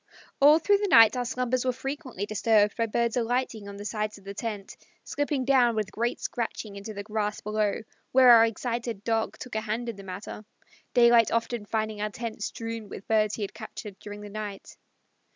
All through the night our slumbers were frequently disturbed by birds alighting on the sides of the tent, slipping down with great scratching into the grass below, where our excited Dog took a hand in the matter, daylight often finding our tent strewn with birds he had captured during the night.